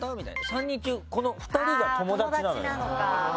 ３人中２人が友達なのよ。